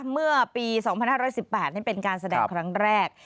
เมื่อปี๒๕๑๘นี่เป็นการแสดงครั้งแรก